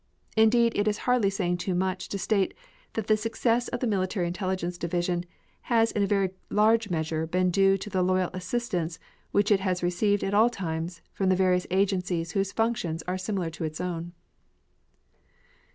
Indeed, it is hardly saying too much to state that the success of the Military Intelligence Division has in a very large measure been due to the loyal assistance which it has received at all times from the various agencies whose functions are similar to its own.